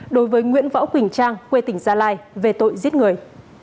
đối với nguyễn võ quỳnh trang quê tỉnh gia lai về tội giết người